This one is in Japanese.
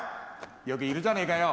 よくいるじゃねえかよ